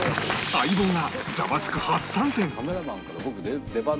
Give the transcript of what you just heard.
『相棒』が『ザワつく！』初参戦！